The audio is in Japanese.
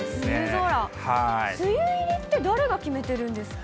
梅雨入りって誰が決めてるんですか？